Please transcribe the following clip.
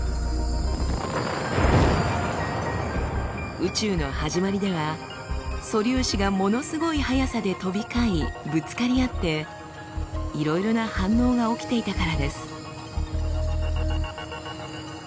宇宙の始まりでは素粒子がものすごい速さで飛び交いぶつかり合っていろいろな反応が起きていたからです。